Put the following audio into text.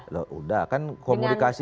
sudah kan komunikasi